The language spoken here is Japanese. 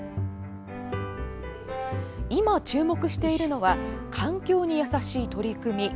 今、注目しているのは環境に優しい取り組み。